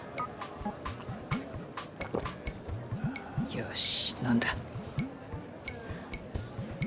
よし飲んだ。